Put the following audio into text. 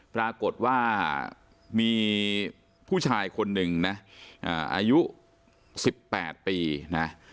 ปรากฏว่ามีผู้ชายคนหนึ่งนะอายุ๑๘ปีนะ